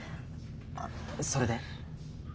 あそれで？